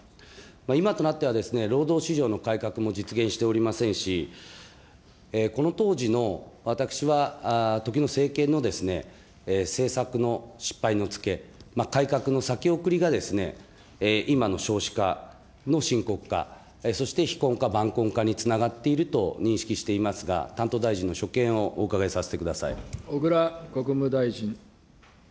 今となっては労働市場の改革も実現しておりませんし、この当時の、私は時の政権の政策の失敗のつけ、改革の先送りが今の少子化の深刻化、そして非婚化、晩婚化につながっていると認識していますが、担当大臣の所見をお伺いさせてく小倉国務大臣。